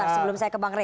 sebelum saya ke bang rey